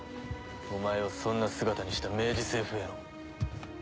お前をそんな姿にした明治政府への。